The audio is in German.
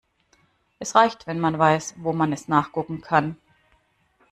Es reicht, wenn man weiß, wo man es nachgucken kann.